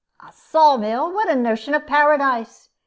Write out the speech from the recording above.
"A saw mill! What a notion of Paradise!